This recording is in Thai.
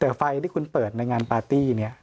แต่ไฟที่คุณเปิดในงานปาร์ตี้เนี่ย